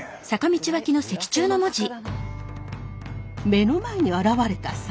目の前に現れた坂。